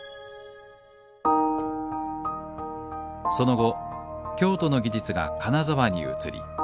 その後京都の技術が金沢に移り